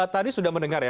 tadi sudah mendengar ya